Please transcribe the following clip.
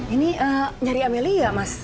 ini nyari amelia mas